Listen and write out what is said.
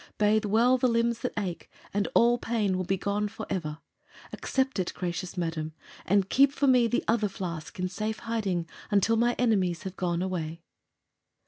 Bathe well the limbs that ache, and all pain will be gone forever. Accept it, gracious Madame, and keep for me the other flask in safe hiding until my enemies have gone away."